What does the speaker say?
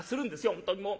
本当にもう。